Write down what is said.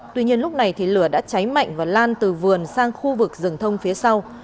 tuy nhiên lúc này lửa đã cháy mạnh và lan từ vườn sang khu vực rừng thông phía sau